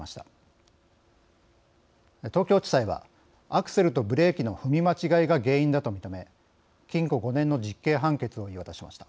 東京地裁はアクセルとブレーキの踏み間違いが原因だと認め禁錮５年の実刑判決を言い渡しました。